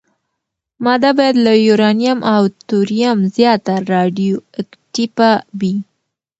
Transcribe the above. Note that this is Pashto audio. ماده باید له یورانیم او توریم زیاته راډیواکټیفه وي.